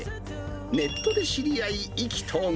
ネットで知り合い意気投合。